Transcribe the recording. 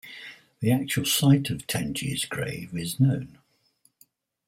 The actual site of Tenji's grave is known.